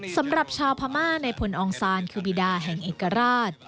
สำหรับชาวพม่าในพลองซานคือบิดาแห่งเอกราช